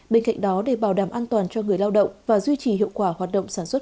bên cạnh đó để bảo đảm an toàn cho người lao động và duy trì hiệu quả hoạt động sản xuất